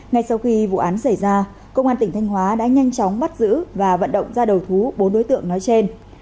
ngay sau khi vụ án xảy ra công an tỉnh thanh hóa đã nhanh chóng bắt giữ và vận động ra đầu thú bốn đối tượng nói trên